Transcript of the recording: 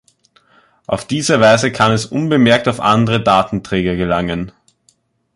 Auf diese Weise kann es unbemerkt auf andere Datenträger gelangen.